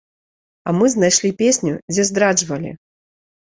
А мы знайшлі песню, дзе здраджвалі.